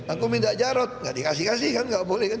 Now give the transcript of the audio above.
aku minta jarod nggak dikasih kasih kan nggak boleh kan